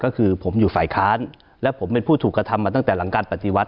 ก็คือผมอยู่ฝ่ายค้านและผมเป็นผู้ถูกกระทำมาตั้งแต่หลังการปฏิวัติ